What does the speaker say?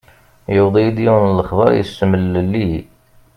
Yewweḍ-iyi-d yiwen n lexbar, yessemlelli-yi.